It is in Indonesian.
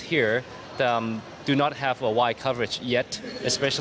terutama di kawasan yang terdekat